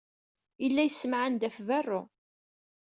Yella yessemɛan-d ɣef berru.